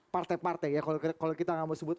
partai partai ya kalau kita nggak mau sebut